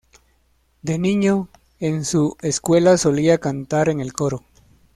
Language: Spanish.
De niño, en su escuela solía cantar en el coro.